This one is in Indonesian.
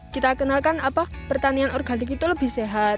kita kenalkan pertanian organik itu lebih sehat